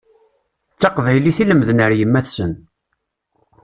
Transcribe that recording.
D taqbaylit i lemden ar yemma-tsen.